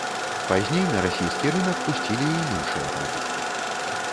Пазней на расійскі рынак пусцілі і іншыя прадукты.